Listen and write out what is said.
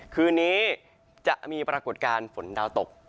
คืนนี้จะมีปรากฏการณ์ฝนดาวตก